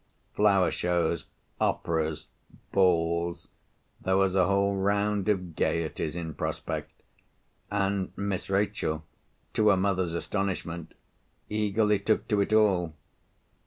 Flower shows, operas, balls—there was a whole round of gaieties in prospect; and Miss Rachel, to her mother's astonishment, eagerly took to it all.